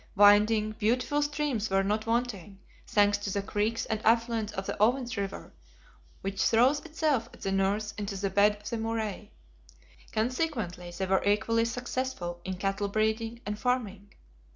Winding, beautiful streams were not wanting, thanks to the creeks and affluents of the Oven's River, which throws itself at the north into the bed of the Murray. Consequently they were equally successful in cattle breeding and farming.